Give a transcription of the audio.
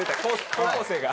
高校生が。